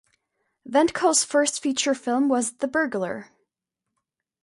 Wendkos' first feature film was "The Burglar".